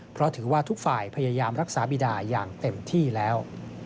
เพราะถือว่าทุกฝ่ายพยายามรักษาบีดาอย่างเต็มที่แล้ว